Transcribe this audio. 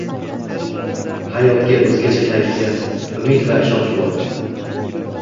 Hayotga oʻzgacha kayfiyat, umid va ishonch bor